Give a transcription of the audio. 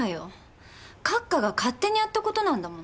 閣下が勝手にやったことなんだもの。